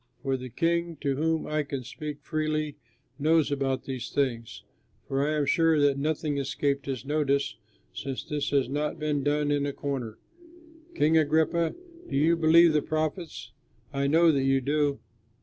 For the King, to whom I can speak freely, knows about these things, for I am sure that nothing escaped his notice, since this has not been done in a corner. King Agrippa, do you believe the prophets? I know that you do."